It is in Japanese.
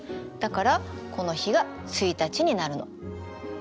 だからこの日が１日になるの。